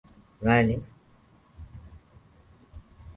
ambaye kwa kauli yake amekiri kuhusika katika mauwaji ya mtetezi wa haki